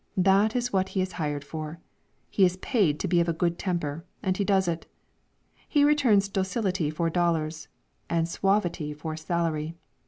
That is what he is hired for. He is paid to be of a good temper, and he does it. He returns docility for dollars; and suavity for salary.